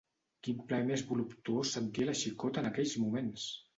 Quin plaer més voluptuós sentia la xicota en aquells moments!